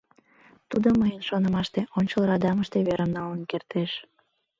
Тудо, мыйын шонымаште, ончыл радамыште верым налын кертеш.